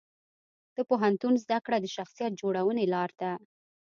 د پوهنتون زده کړه د شخصیت جوړونې لار ده.